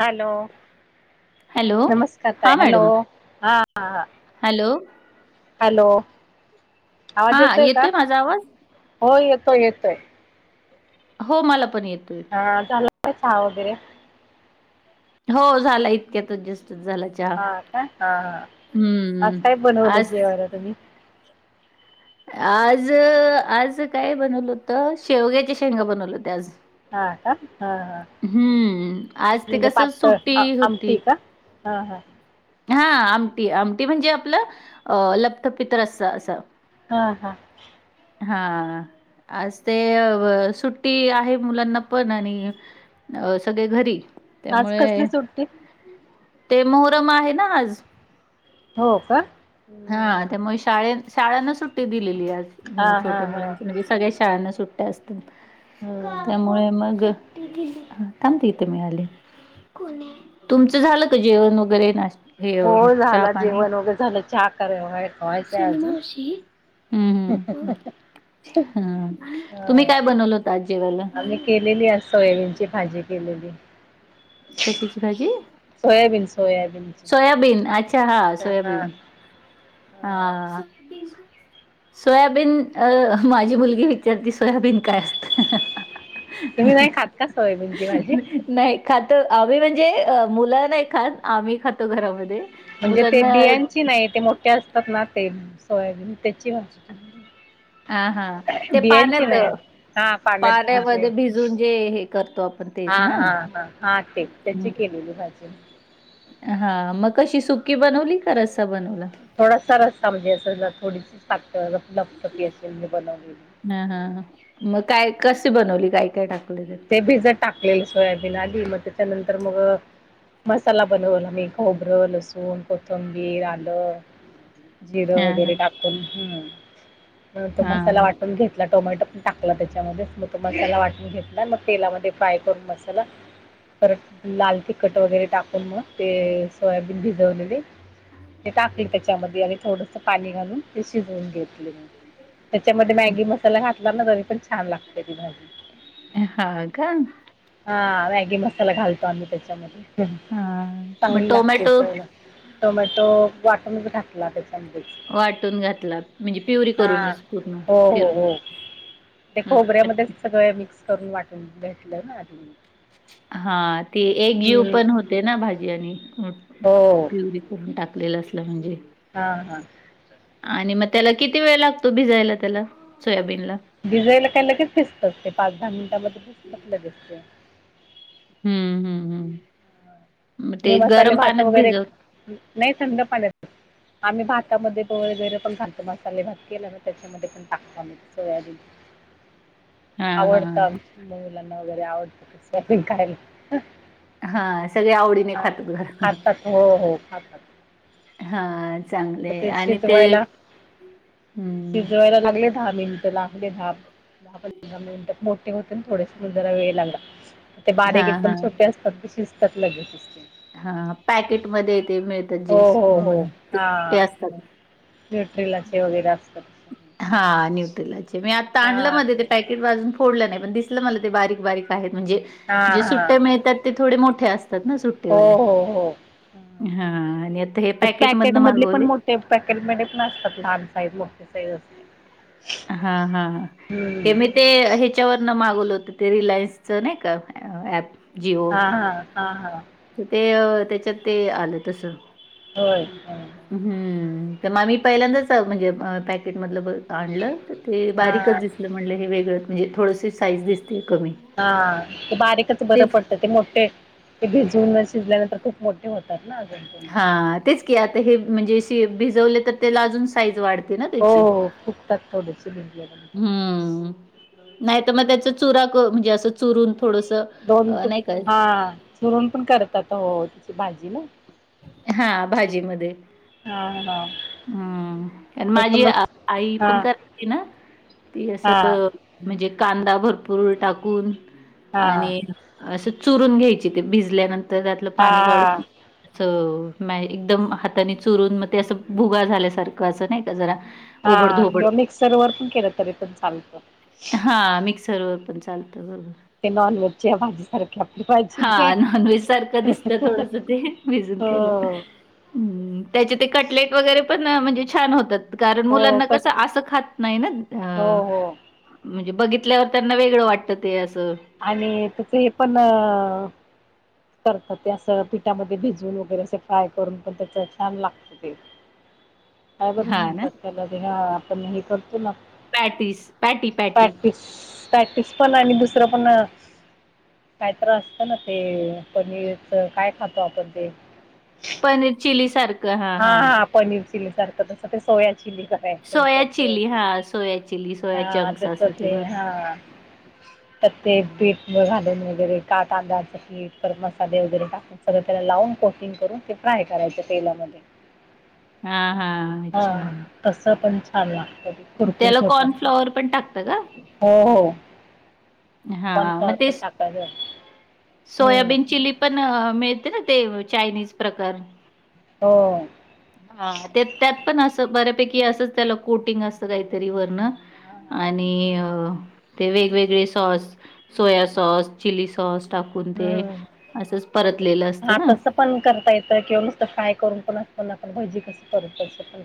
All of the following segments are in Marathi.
हॅलो, हॅलो नमस्कार ताई! हां हॅलो, मॅडम हा हा हा. हॅलो. हॅलो! आवाज हां येतोय का? माझा आवाज होय येतोय येतय. हो मला पण येतोय. हा झाला का चहा वगैरे? हो झालाय इतक्यात जस्ट झालाय. हा काय? हा हा, आज काय बनवलं आज जेवायला तुम्ही? आज आज काय बनवलं होत शेवग्याच्या शेंगा बनवलं होते आज. हा का? हा हा हम्म आज ते म्हणजे, कसं पातळ सुट्टी होती आमटी का? हा हा. हा आमटी आमटी म्हणजे आपलं अ लप्तपित रस असं. हा हा. हा आज ते सुट्टी आहे मुलांना पण आणि अ सगळे घरी. आज त्यामुळे कसली सुट्टी? ते मोहरम आहे ना आज. हो का? हा हम्म त्यामुळे शाळेत शाळांना सुट्टी दिलेली आज हा हा छोट्या हा मुलांची म्हणजे सगळ्या शाळांना सुट टी असत्यात, हम्म त्यामुळे मग थांब की इथे मी आले. तुमचं झालं का जेवण वगैरे ना हे चहा पाणी? सगळ झाल चहा करायला [unintelligible] सोनी मावशी. हम्म हम्म हम्म, तुम्ही काय ह बनवलं होतं आज जेवायला? आम्ही केलेली आज सोयाबीन ची भाजी केलेली. कशाची भाजी? Soybean soybean. सोयाबीन अच्छा! हा सोयाबीन हा. सोयाबीन अ माझी मुलगी विचारती सोयाबीन काय असतं? तुम्ही नाही खात का सोयाबीनची भाजी [inaudible] नाही खातो आम्ही म्हणजे मुलं नाही खात आम्ही खातो घरामध्ये. म्हणजे ते मुलांना बियांची नाही ते मोठे असतात ना ते सोयाबीन त्याची भाजी. हा हा, ते बियांची पाण्यात नाही हा पाण्यात भिजवून पाण्यामध्ये भिजून जे हे करतो आपण हा तेच ना? हा हा हा ते त्याची केलेली भाजी हा मग कशी सुकी बनवली का रस्सा बनवला थोडासा रस्ता म्हणजे असं थोडीशी पातळ लपटफी अशी मी बनवलेली हा हा मग काय कशी बनवली काय काय टाकलं त्यात ते भिजत टाकले सोयाबीन आधी म तेच्यानंतर मग मसाला बनवला मी खोबरं, लसूण, कोथंबीर, आलं जिर हां, वगैरे हां. टाकून ह परत तो मसाला हां. वा टून घेतला टोमॅटो पण टाकला तेच्यामध्ये मग तो मसाला वाटून घेतला मग तेलामध्ये फ्राय करून मसाला परत लाल तिखट वगैरे टाकून मग ते सोयाबीन भिजवलेले ते टाकले त्याच्यामध्ये आणि थोडस पाणी घालून ते शिजवून घेतले त्याच्यामध्ये मॅगी मसाला घातला ना तरी पण छान लागते ती भाजी हाव का हा मॅगी मसाला घालतो आम्ही त्याच्यामध्ये हां. मग चांगली लागते टोमॅटो चव लाग टोमॅटो वाटूनच घातला त्याच्या मधेच वाटून घातला म्हणजे प्युरी करूनच पूर्ण हो हो फिरून हो ते हं. खोबऱ्यामध्ये सगळं मिक्स करून वाटून घेेतलं ना आधी हा ते एक जीव हम्म पण होते ना भाजी आणि हो प्युरी करून टाकलेलं असलं म्हणजे हा हा आणि मग त्याला किती वेळ लागतो भिजायला त्याला सोयाबीनला भिजयला काय लगेच भिसतच ते पाच दहा मिनिटामध्ये भिसतात लगेच ते हम्म हम्म हम् मग तुम्ही ते मसाले गरम भात पाण्यात वगैरे भिजवत नाही संध पाण्याची आम्ही भातामध्ये गुळ वगैरे पण घालतो मसाले भात केला ना त्याच्यामध्ये पण टाकतो आम्ही सोयाबीन हा हा आवडत आमच्या मुलांना वगैरे आवडत ते [inaudible] खायला हा सगळे आवड खातात हो हो खातात हा म चांगले ते आणि शिजवायला हम्म शिजवायला लागले दहा मिनिटं लागले दहा दहा पंधरा मिनिट मोठ हो थोडेसे जरा वेळ लागला ते हा बारीक हा एकदम छोटे असतात ते शिजतात लगेच ते हा पॅकेटमध्ये ते मिळत हो [inaudible] हो हो म्हणून हा न्यूट्रीलाचे वगैरे असतात हा न्यूट्रलाचे मी आता आणलं हा मध्ये ते पॅकेट अजून फोडल नाही पण दिसल मला ते बारीक बारीक आहेत म्हणजे हा जे हा सुट्टे मिळतात ते थोडे मोठे असतात ना सुट हो हो हो. हा आणि आता हे पॅकेट मधन मागवले ते पॅकेटमध्ये पण असतात लहान साईज मोठी साईज असते हा हा हा हम्म केमीत ते ह्याच्यावरन मागवलं होत ते रिलायन्सच नाही का ऍप हा हा हा हा तर ते त्याच्यात ते आलं तस होय. हम्म त मग आम्ही पहिल्यांदाच म्हणजे पॅकेट मधलं बघ आणलं ते बारीकच हा. दिसलं. म्हणलं हे वेगळंच म्हणजे थोडस साईज दिसते कमी. हा ते बारीकच बरं पडत. ते मोठे ते भिजून शिजल्यानंतर खूप मोठे होतात ना अजून. हा तेच की, आता हे म्हणजेे भिजवले त त्याला अजून साईज वाढते. ना हो त्याची. हो फुगतात थोडेसे भिजल्यानंतर हम्म. नाही तर मग त्याच चुरा क म्हणजे असं चुरून थोडंसं. दोन अ, तूक नाही का हा चिरून पण करतात. हो तिची भाजी ना. हा भाजीमध्ये. हा हा हम्म. आणि माझी एकदमच आई हा पण करायची ना ती हा असं म्हणजे कांदा भरपूर टाकून. हा हा आणि असं चुरून घ्यायची. ते भिजल्यानंतर त्यातलं पाणी हा काढून. म एकदम हाताने चुरून. मग ते असं भुगा झाल्यासारखं असं नाही का जरा. हा ओबड-धोबड किंवा मिक्सर वर पण केलं तरी पण चालत. हा मिक्सर वर पण चालतं. बरोबर. ते नॉनव्हेजच्या भाजी सारखी आपली हा भाजी ते नॉन व्हेज सारखं दिसत थोडस ते. भजून हो केल्यात. त्याचे ते कटलेट वगैरे पण म्हणजे छान होतात. कारण हो मुलांना हो कसं असं खात नाही ना. अ हो म्हणजे बघितल्यावर त्यांना वेगळं वाटतं ते असं. आणि त्याच हे पण अ करतात ते अस पिठामध्ये भिजून वगैरे असे फ्राय करून पण त्याच छान लागत ते. काय बरं हां ना? म्हणतात त्याला. ते हा आपण हे करतो ना. Patties. Patty patty. Practice practice पण आणि दुसरं पण काय त्तर असत ना. ते पनीरच काय खातो आपण ते? पनीर चिली सार हा हा पनीर चिली सारखं. तसं ते सोया चिली कर सोया चिली हां, सोया चिली, [unintelligible] सोया हा चंक्स असं ते तसचे बरं. हा. तर ते हां, पीठ घालून वगैरे. का तांदाळाच पीठ. परत मसाले वगैरे टाकू सगळं त्याला लावून. कोटिंग करून ते फ्राय करायच तेलामध्ये. हा हा. हा तसं पण छान लागतं ते. त्याला कुरकुरीत होतं. कॉर्नफ्लॉवर पण टाकता का? हो हो. हा कॉर्नफ्लॉवर म ते पण टाकायचं. हम्म सोयाबीन चिली पण मिळते ना. ते चायनीज प्रकार. हो. हा त्यात पण असं, बऱ्यापैकी असंच त्याला कोटिंग असत काहीतरी वरण. आणि ते वेगवेगळे sauce. Soya sauce. Chilli sauce. टाकून ते हम्म असंच परतलेलं असतं हा ना? तसं पण करता येत. किंवा नुसतं फ्राय करून पण अस पण आपण भजी कस करतो. तस पण.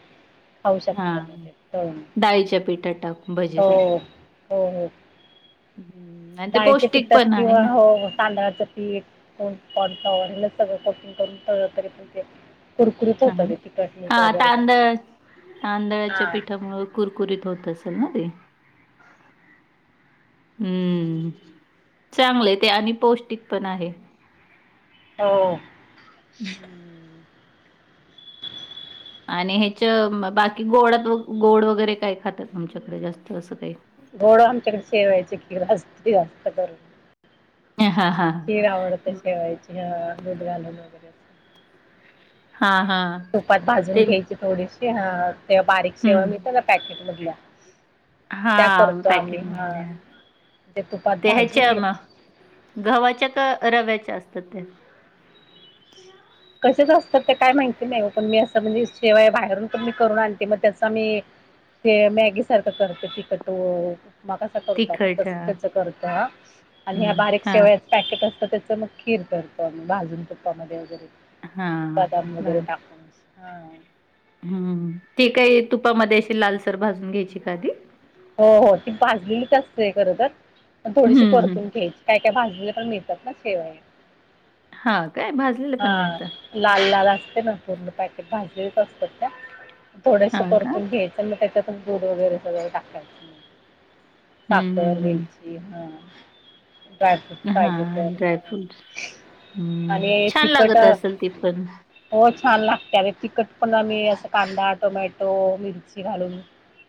शकता म हां, ते तळून. डाळीच्या पिठात टाकून हो भजीसारखं. हो हो. हं, आणि ते डाळीचे पौष्टिक पिठ्टात पण आहे किंवा ना. हो तांदळाचं पीठ. [unintelligible] सगळं कोटिंग करून तळल तरी पण ते कुरकुरीत ह होतं ते तिखट हा मीठ वगैरे टाकून. तांदळा तांदळाच्या हा पीठामुळे कुरकुरीत होत असेल ना ते. हम्म चांगलं ते आणि पौष्टिक पण आहे. हो. हम्म. आणि ह्याच्या बाकी गोडात गोड वगैरे काय खातात. आमच्याकडे जास्त असं काही घोडं आमच्याकडे सेवायच की जास्त जास्तर ह हा हा. तिला आवडत शेवायची दूध घाून वगैरे. असं. हा हा. तुपात भाजून ते घ्यायची थोडीशी तेव्हा बारीक सेवा मी हम्म त्या ना पॅकेट मधल्या हा त्या करतो आम्ही पॅकेट हा मधल्या ते ह्याच्या मग गव्हाच्या का रव्याच्या असतात ते कसेच असतात ते काय माहिती नाही पण मी असं म्हणजे शिवाय बाहेरून पण मी करून आणते मग त्याचा मी ते मॅगी सारखं करत चिकट म. तिखट त्या हम्म बारीक हा सेवा, पॅकेट असतं त्याच मग खीर करतो आम्ही भाजून तुपामध्ये वगैरे, हा बदम वगैरे टाकून हा. हम् ठीक आहे तुपामध्ये अशी लालसर भाजून घ्यायची काधी हो हो ती भाजलेलीच असत खर तर थोडीशी हम्म हम्म परतून घ्यायची काय काय भाजलेली पण, ना सेवा आहे. हा काय भा हा लाल लाल असते ना पूर्ण पॅकेट भाजरीच असतात त्या थोडस हा का परतून घ्यायचं म त्याच्यातून गूड वगैरे सगळं टाकायचं. हम्म साखर हम्म हम्म वेलची हा य हा पाहिजे तर ड्रायफ्रूट्स हम्म आणि छान तिखट लागत असेल ती पण हो छान लागते तखट पण मही अस कांदा टोमॅटो मिरची घालून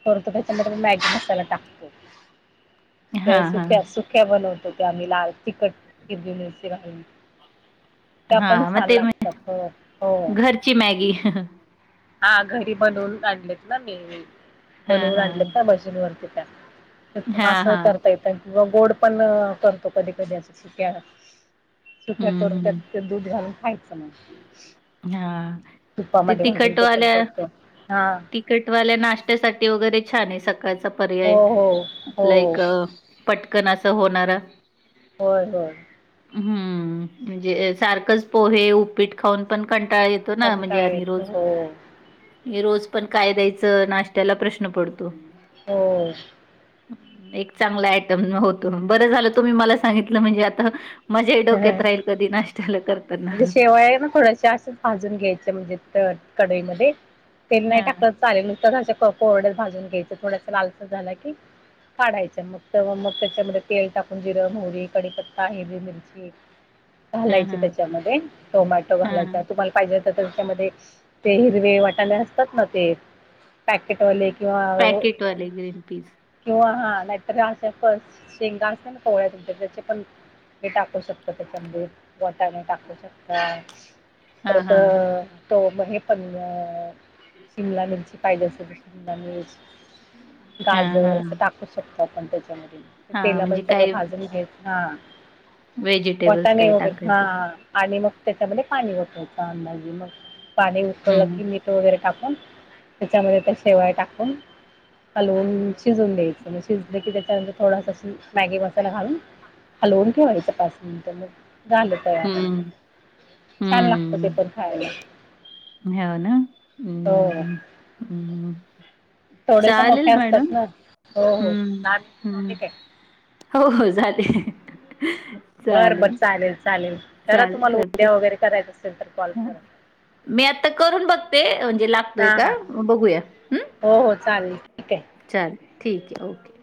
करतो त्या म म मॅगी मसाला टाकतो. त्या हां, सुख्या हां. सुख्या बनवतो त्या आम्ही लाल तिखट किरवी मिरशी घहिली. त्या पण हां, मग छान ते म्हण लागतात हो हो. घरची मॅगी. हा घरी बनवून आणढलेत ना मी हां, बनवून आणलं हां. का भजनीवररती त्यां हां, असं हां. करता य किंवा गोड पण करतो कधी कधी सुक्या सुक्या हं, करून हं. त्यात दूध घालून खायचं मग हां, ते तुपामध्ये घालून ते पण करत. हा. तिकटवाल्या नाशत्यासाठी वगैरे छान आहे सकाळचा हो पर्याय हो आपला हो एक. पटकन असं होणार. होय होय. हम्म म्हणजे सारखंच पोहे उपीट खाऊन पण कंटाळ येत. तो ना म्हणजे कंटाळा आणि येतो रोज रोज पण काय द्यायचं नाश्त्याला प्रश्न पडतो. हो. एक चांगला आयटम होतो बरं झालं तुम्ही मला सांगितलं म्हणजे आता मजाही हो डोक्यात राहील कधी नाश््याला करतना. थोडश अस भाजून घ्यायच्या म्हणजे कडईमध्ये तेल नाही हां, टाकत. चालेल [unintelligible] कोरड्यात भाजून घ्यायचं थोडस लालच झाला की काढायच्य मग मग त्याच्यामध्ये तेल टाकून जिर, मोहरी, कढपत्ता, हिरवी मिरची हां, घालायची हां, त्याच्यामध्ये टोमॅटो घालायचा हां. तुम्हाला पाहिजे तर त्याच्यामध्ये ते हिरवे वाटाणे असतात ना ते पॅकेट वाले किंवा अ पॅकेटवाले ग्रीन पीस. किंवा हा नाहीतर राहते पण शेंगा असता ना पोळ्या तुमच्या त्याचे पण हे टाक टाकु शकता त्याच्यामध्ये बटाने टाकू शकता हां, परत हां, तो म हे पण ग शिमला मिरची पाहिजे असे तर शिमला मिरच हां, गाजर अस हां. टा करू शकतो आपण त्याच्यामध्ये हां, म्हणजे तेलामध्ये सगळं काही भाजून घेच हा. व्हेजिटेबल्स वटाणे काही वगैरे हा टाकायचे तर. आणि मग त्याच्यामध्ये पाणी वापरायचं अंदाजे मग पाणी हं, उठकळलं की मीठ वगैरे टाकून त्याच्यामध्ये त्या शेवाळ्या टाकून हलवून शिजवून द्यायचं. शिजलं की त्याच्यानंतर थोडासा मॅगी मसाला घालून हलवून ठेवायचां. पाच मिनट मग झालं तयार हं, छान लागत ते हं. पण खायला. हो ना हो. हम्म हम्म. थोड्याशा चालेल मोठ्या असतात मॅडम ना हो हो हम्म दहा मिनिट झाले हम्म. काय हो हो जाते. बरं बरं चालेल चालेल करा तुम्हाला करते. उदया वगैरे करायचं असेल तर कॉल हां. करा. मी आता करून बघते म्हणजे लागतोय हां का हां म बघूया हम्म. हो हो चालेल ठीक आहे. चालेल ठीक हां आहे ओके.